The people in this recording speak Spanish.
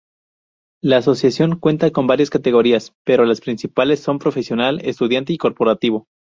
La asociación cuenta con varias categorías, pero las principales son profesional, estudiante y corporativo.